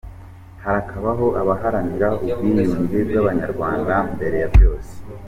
Harakabaho abaharanira ubwiyunge bw’Abanyarwanda mbere ya byose.